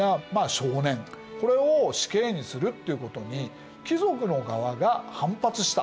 これを死刑にするっていうことに貴族の側が反発した。